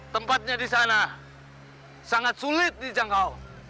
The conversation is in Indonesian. tempatnya di sana sangat sulit dijangkau